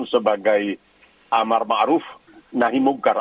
sebagai ammar ma ruf nahi mughar